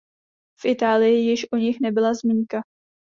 V Itálii již o nich nebyla zmínka.